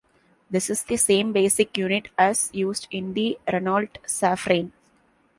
This is the same basic unit as used in the Renault Safrane.